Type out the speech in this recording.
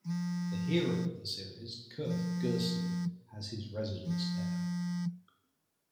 The hero of the series, Kirth Gersen, has his residence there.